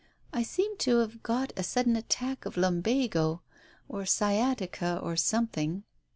I seem to have got a sudden attack of lumbago, or sciatica or something."